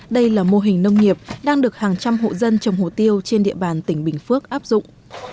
đây là mô hình nông nghiệp đang được hàng trăm hộ dân trồng hồ tiêu trên địa bàn tỉnh bình phước áp dụng